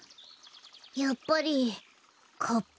やっぱりカッパ。